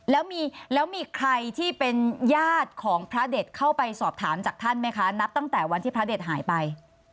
แล้วมีใครที่เป็นญาติของพระเด็ดเข้าไปสอบถามจากท่านไหมคะนับตั้งแต่วันที่พระเด็ดหายไป